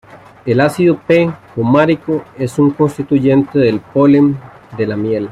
El ácido-"p"-cumárico es un constituyente del polen de la miel.